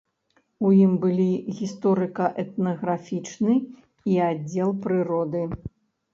У ім былі гісторыка-этнаграфічны і аддзел прыроды.